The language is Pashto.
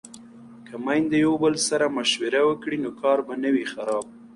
که میندې یو بل سره مشوره وکړي نو کار به نه وي خراب.